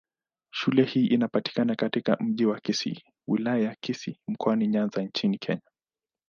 Shule hii inapatikana katika Mji wa Kisii, Wilaya ya Kisii, Mkoani Nyanza nchini Kenya.